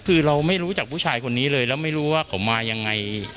คือเราไม่รู้จักผู้ชายคนนี้เลยแล้วไม่รู้ว่าเขามายังไง